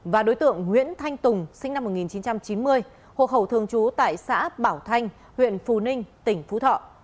và đối tượng nguyễn thanh tùng sinh năm một nghìn chín trăm chín mươi hộp hầu thường trú tại xã bảo thanh huyện phù ninh tp phú thọ